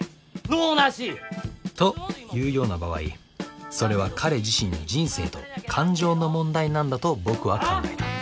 能なし！というような場合それは彼自身の人生と感情の問題なんだと僕は考えた。